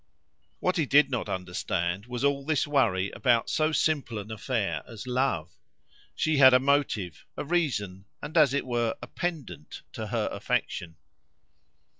What he did not understand was all this worry about so simple an affair as love. She had a motive, a reason, and, as it were, a pendant to her affection.